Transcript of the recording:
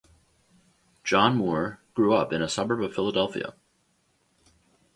John Moore grew up in a suburb of Philadelphia.